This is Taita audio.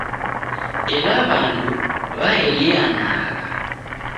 Ela w'andu waelianagha.